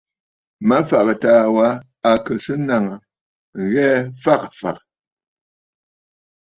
Mafàgə̀ taà wa à kɨ̀ sɨ́ nàŋə̀ ŋghɛɛ fagə̀ fàgə̀.